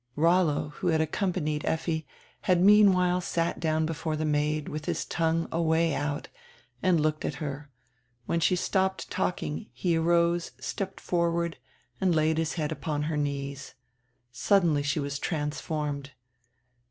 Rollo, who had accompanied Effi, had meanwhile sat down before the maid, with his tongue away out, and looked at her. When she stopped talking he arose, stepped forward, and laid his head upon her knees. Suddenly she was trans formed.